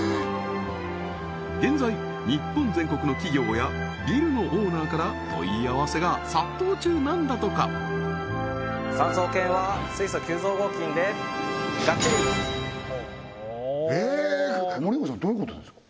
現在日本全国の企業やビルのオーナーから問い合わせが殺到中なんだとか森永さんどういうことですか？